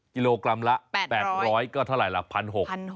กิโลกรัมละ๘๐๐ก็เท่าไรละ